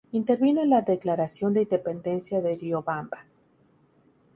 Intervino en la declaración de independencia de Riobamba.